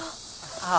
ああ。